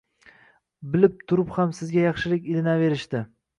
Bilib turib ham sizga yaxshilik ilinaverishdi.